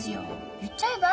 言っちゃえば？